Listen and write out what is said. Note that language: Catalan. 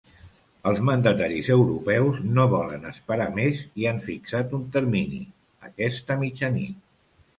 Els mandataris europeus no volen esperar més i han fixat un termini: aquesta mitjanit.